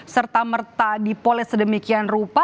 serta merta dipoles sedemikian rupa